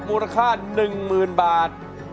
มูลค่า๑๐๐๐บาท